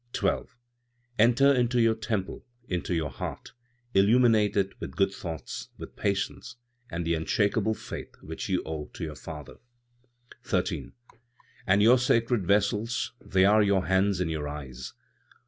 12. "Enter into your temple, into your heart; illuminate it with good thoughts, with patience and the unshakeable faith which you owe to your Father. 13. "And your sacred vessels! they are your hands and your eyes.